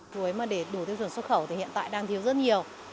cuối mà để đủ tiêu chuẩn xuất khẩu thì hiện tại đang thiếu rất nhiều